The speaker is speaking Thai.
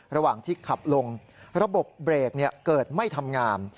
ระหว่างที่ขับลงระบบเบรกเกิดไม่ทำงาม